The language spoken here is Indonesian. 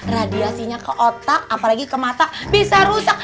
radiasinya ke otak apalagi ke mata bisa rusak